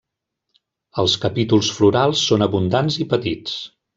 Els capítols florals són abundants i petits.